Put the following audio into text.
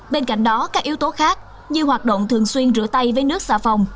bên cạnh đó các yếu tố khác như hoạt động thường xuyên rửa tay với nước xà phòng